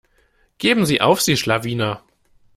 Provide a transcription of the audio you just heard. Geben sie auf, sie Schlawiner.